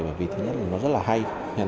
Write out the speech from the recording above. bởi vì thứ nhất là nó rất là hay